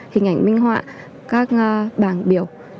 hình ảnh minh họa các bảng biểu